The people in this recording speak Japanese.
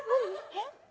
えっ？